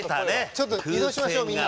ちょっと移動しましょうみんな。